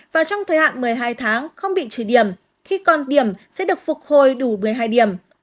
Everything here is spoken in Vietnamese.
và trong thời hạn một mươi hai tháng không bị trừ điểm khi còn điểm sẽ được phục hồi đủ một mươi hai điểm